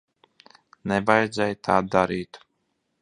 Nevajadzēja tā darīt.